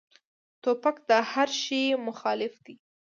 توپک د هر شي مخالف دی.